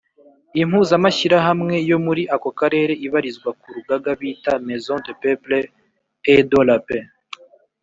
impuzamashyirahamwe yo muri ako karere ibarizwa mu rugaga bita maison des peuples et de la paix,